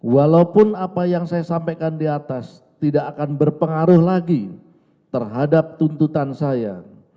walaupun apa yang saya sampaikan di atas tidak akan berpengaruh lagi terhadap tuntutan saya